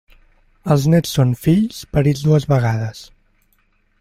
Els néts són fills parits dues vegades.